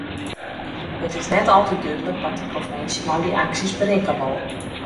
It is net altyd dúdlik wat de provinsje met dy aksjes berikke wol.